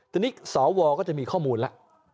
ทีนี้สวก็จะมีข้อมูลแล้ว